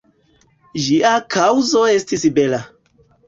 Ĝia kaŭzo estis bela.